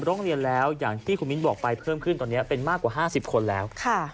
ร้องเรียนแล้วอย่างที่คุณมิ้นบอกไปเพิ่มขึ้นตอนนี้เป็นมากกว่า๕๐คนแล้ว